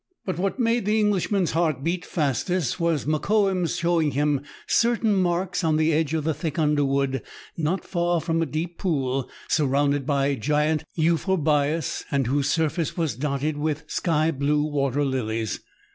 But what made the Englishman's heart beat fastest, was Mokoum's showing him certain marks on the edge of the thick underwood, not far from a deep pool, surrounded by giant euphorbias, and whose surface was dotted with sky blue water lilies.